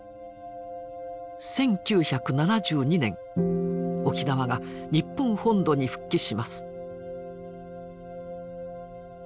１９７２年沖縄が日本本土に復帰します。